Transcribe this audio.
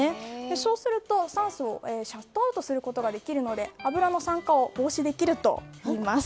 そうすると、酸素をシャットアウトすることができるので油の酸化を防止できるといいます。